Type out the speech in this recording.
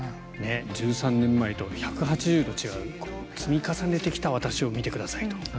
１３年前と１８０度違う積み重ねてきた私を見てくださいと。